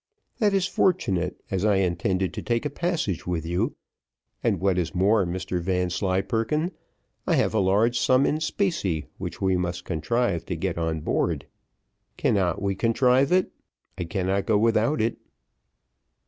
"That is fortunate, as I intended to take a passage with you, and what is more, Mr Vanslyperken, I have a large sum in specie, which we must contrive to get on board. Cannot we contrive it, I cannot go without it."